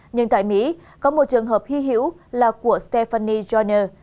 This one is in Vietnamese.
nhưng tại mỹ có một trường hợp hy hữu là của stephanie jordan